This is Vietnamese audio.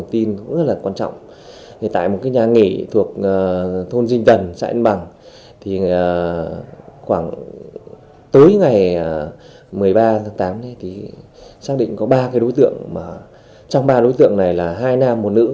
trong đó có ba đối tượng này là hai nam một nữ